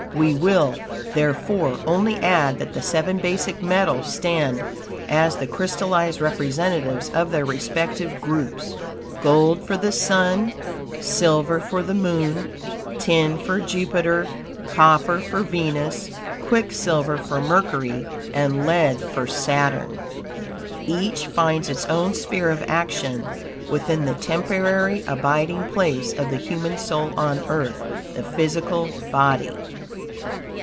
We will, therefore, only add that the seven basic metals stand as the crystallized representatives of their respective groups: Gold for the Sun, Silver for the Moon, Tin for Jupiter, Copper for Venus, Quicksilver for Mercury and Lead for Saturn. Each finds it own sphere of action within the temporary abiding place of the human soul on earth the physical body.